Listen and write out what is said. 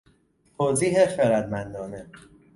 توضیح خردمندانه